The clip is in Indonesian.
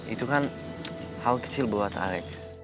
itu kan hal kecil buat alex